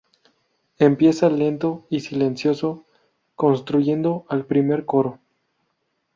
Empieza lento y silencioso, construyendo al primer coro.